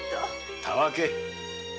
たわけ！